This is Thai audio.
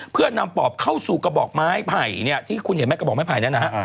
เพื่อนำปอบเข้าสู่กระบอกไม้ไผ่เนี่ยที่คุณเห็นไหมกระบอกไม้ไผ่เนี่ยนะฮะ